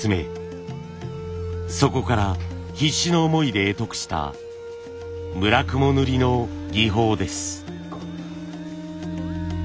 そこから必死の思いで会得した叢雲塗の技法です。